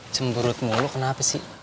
cemberut mulu kenapa sih